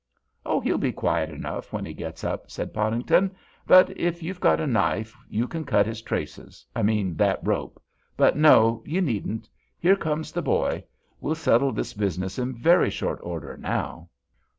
"Oh. he'll be quiet enough when he gets up," said Podington. "But if you've got a knife you can cut his traces— I mean that rope—but no, you needn't. Here comes the boy. We'll settle this business in very short order now."